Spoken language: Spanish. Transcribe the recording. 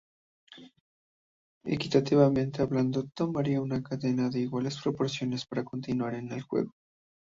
Equitativamente hablando, tomaría una cadena de iguales proporciones para continuar en el juego.